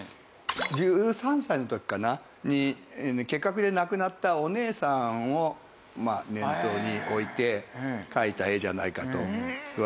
１３歳の時かな。に結核で亡くなったお姉さんを念頭に置いて描いた絵じゃないかといわれてるんですけども。